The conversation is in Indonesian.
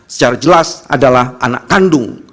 secara jelas adalah anak kandung